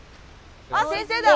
あっ先生だ！